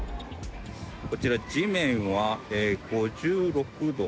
こちら、地面は５６度。